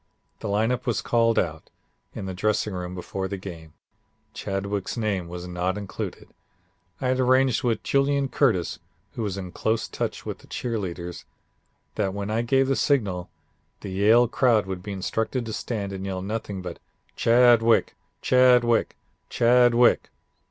The lineup was called out in the dressing room before the game. Chadwick's name was not included. I had arranged with Julian Curtis, who was in close touch with the cheer leaders, that when I gave the signal, the Yale crowd would be instructed to stand and yell nothing but 'Chadwick, Chadwick, Chadwick.'